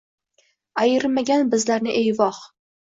Ayirmagin bizlarni ey voh